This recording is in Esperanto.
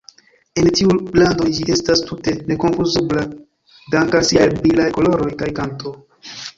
En tiuj landoj ĝi estas tute nekonfuzebla danke al siaj brilaj koloroj kaj kanto.